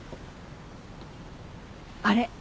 あれ？